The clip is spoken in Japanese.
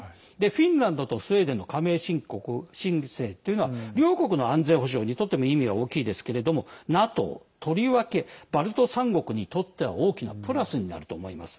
フィンランドとスウェーデンの加盟申請というのは両国の安全保障にとっても意味が大きいですけれどもＮＡＴＯとりわけバルト３国にとっては大きなプラスになると思います。